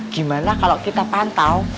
gimana kalau kita pantau